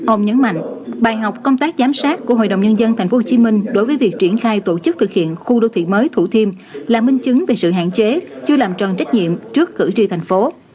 ông nhấn mạnh bài học công tác giám sát của hội đồng nhân dân tp hcm đối với việc triển khai tổ chức thực hiện khu đô thị mới thủ thiêm là minh chứng về sự hạn chế chưa làm trần trách nhiệm trước cử tri thành phố